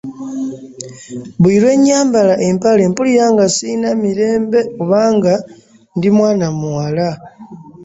Buli lwe nnyambala empale mpulira nga sirina Mirembe kubanga ndi mwana muwala.